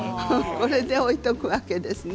これで置いておくわけですね。